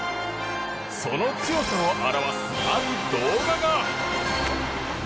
その強さを表す、ある動画が。